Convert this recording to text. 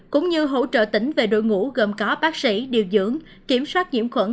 cũng như hỗ trợ tỉnh về đội ngũ gồm có bác sĩ điều dưỡng kiểm soát nhiễm khuẩn